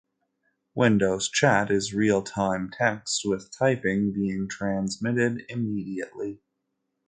Windows Chat is real time text, with typing being transmitted immediately.